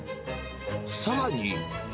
さらに。